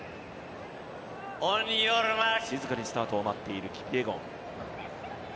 静かにスタートを待っているキピエゴン。